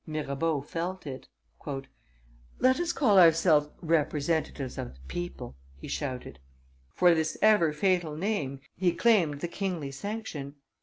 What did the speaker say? Mirabeau felt it. "Let us call ourselves representatives of the people!" he shouted. For this ever fatal name he claimed the kingly sanction.